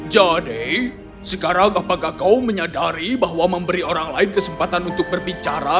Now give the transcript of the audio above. jadi sekarang apakah kau menyadari bahwa memberi orang lain kesempatan untuk berbicara